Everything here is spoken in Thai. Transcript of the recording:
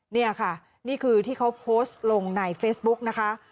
นี่ค่ะนี่คือที่เขาโพสต์ลงในเฟซบุ๊กนะคะ